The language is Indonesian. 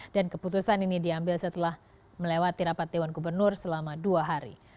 dan keputusan ini diambil setelah melewati rapat dewan gubernur selama dua hari